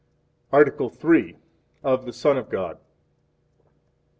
Article III. Of the Son of God.